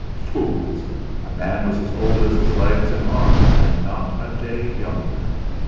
Fools! A man was as old as his legs and arms, and not a day younger.